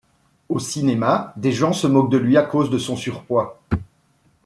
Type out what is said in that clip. Au cinéma, des gens se moquent de lui à cause de son surpoids.